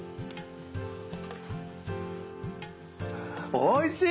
おいしい！